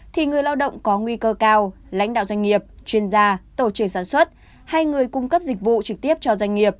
thì người lao động có nguy cơ cao lãnh đạo doanh nghiệp chuyên gia tổ trưởng sản xuất hay người cung cấp dịch vụ trực tiếp cho doanh nghiệp